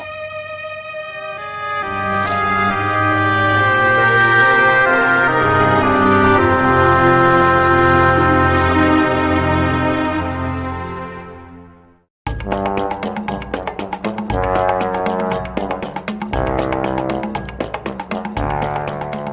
nanti kita lihat